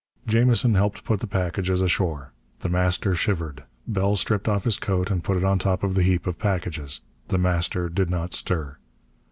Jamison helped put the packages ashore. The Master shivered. Bell stripped off his coat and put it on top of the heap of packages. The Master did not stir.